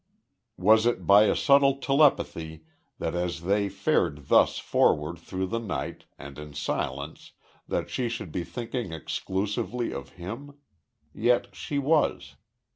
Was it by a subtle telepathy that as they fared thus forward through the night, and in silence, that she should be thinking exclusively of him? Yet she was.